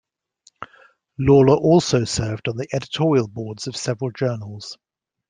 Lawler also served on the editorial boards of several journals.